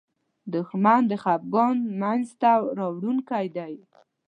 دښمن د خپګان مینځ ته راوړونکی دی